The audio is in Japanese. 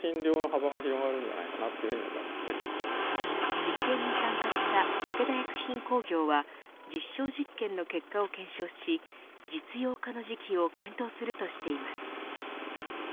実験に参加した武田薬品工業は実証実験の結果を検証し実用化の時期を検討するとしています。